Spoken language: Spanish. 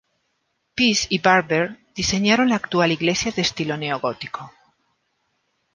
Pease y Barber diseñaron la actual iglesia de estilo neogótico.